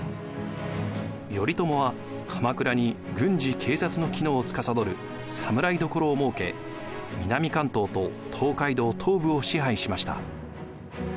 頼朝は鎌倉に軍事・警察の機能をつかさどる侍所を設け南関東と東海道東部を支配しました。